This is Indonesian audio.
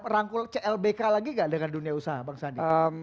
rangkul clbk lagi gak dengan dunia usaha bang sandi